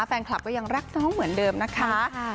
แฟนคลับก็ยังรักน้องเหมือนเดิมนะคะ